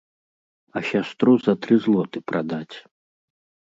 А сястру за тры злоты прадаць.